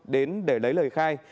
đến để lấy lời khai